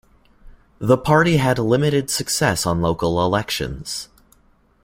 The party had limited success on local elections.